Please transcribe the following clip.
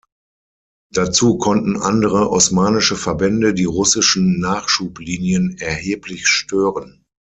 Dazu konnten andere osmanische Verbände die russischen Nachschublinien erheblich stören.